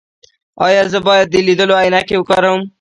ایا زه باید د لیدلو عینکې وکاروم؟